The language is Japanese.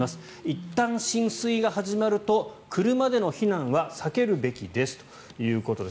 いったん浸水が始まると車での避難は避けるべきですということです。